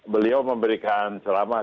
beliau memberikan selamat